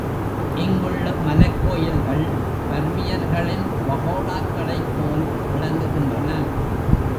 இங்குள்ள மலைக் கோயில்கள் பர்மியர்களின் பகோடா க்களைப் போல் விளங்குகின்றன.